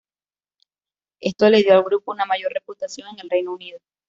Esto le dio al grupo una mayor reputación en el Reino Unido.